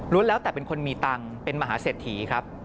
แล้วแต่เป็นคนมีตังค์เป็นมหาเศรษฐีครับ